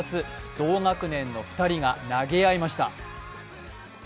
同学年の２人が投げ合いました。